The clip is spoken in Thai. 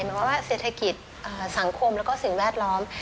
หมายว่าเศรษฐกิจสังคมแล้วก็สิ่งแวดล้อม